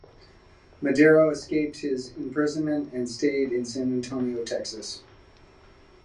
Madero escaped his imprisonment and stayed in San Antonio, Texas.